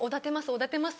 おだてます